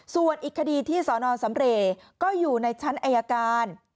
ส่วนอีกคดีที่สนสำเรย์ก็อยู่ในชั้นอายการ